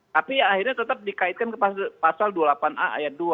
tapi akhirnya tetap dikaitkan ke pasal dua puluh delapan a ayat dua